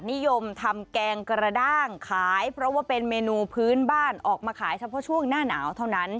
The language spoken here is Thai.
นิยมทำแกงกระด้างขายเพราะว่าเป็นเมนูพื้นบ้านออกมาขายเฉพาะช่วงหน้าหนาวเท่านั้น